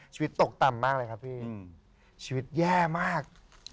ชีวิตตกต่ำมากเลยครับพี่ชีวิตแย่มาก